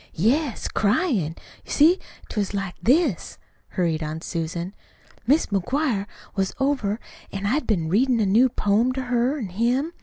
"Yes, cryin'. You see, 't was like this," hurried on Susan. "Mis' McGuire was over, an' I'd been readin' a new poem to her an' him.